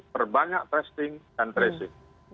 berbanyak tracing dan tracing